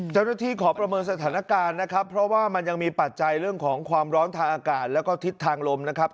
ขอประเมินสถานการณ์นะครับเพราะว่ามันยังมีปัจจัยเรื่องของความร้อนทางอากาศแล้วก็ทิศทางลมนะครับ